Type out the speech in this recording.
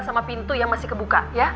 sama pintu yang masih kebuka